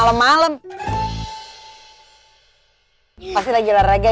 young master menunggu